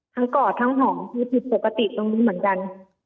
ทั้งก่อทั้งห่อผิดปกติตรงนี้เหมือนกัน